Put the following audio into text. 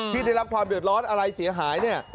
ที่ได้รับความเดือดร้อนอะไรเสียหายเนี่ย